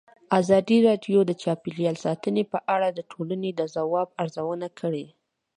ازادي راډیو د چاپیریال ساتنه په اړه د ټولنې د ځواب ارزونه کړې.